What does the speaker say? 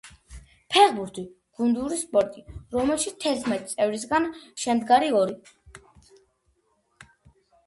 ფეხბურთი — გუნდური სპორტი, რომელშიც თერთმეტი წევრისგან შემდგარი ორი